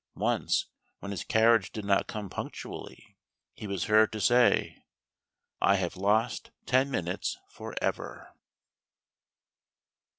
Once, when his carriage did not come punctually, he was heard to say: "I have lost ten minutes for ever."